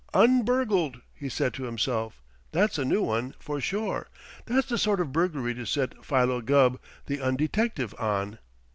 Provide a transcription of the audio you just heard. "Un burgled!" he said to himself. "That's a new one for sure! That's the sort of burglary to set Philo Gubb, the un detective, on."